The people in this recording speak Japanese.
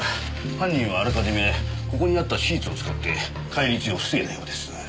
犯人はあらかじめここにあったシーツを使って返り血を防いだようです。